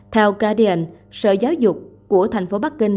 theo kd sở giáo dục của thành phố bắc kinh